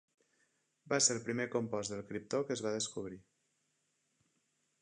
Va ser el primer compost del criptó que es va descobrir.